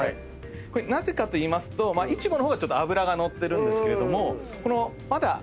なぜかといいますとイチボの方がちょっと脂が乗ってるんですけれどもまだ脂がですね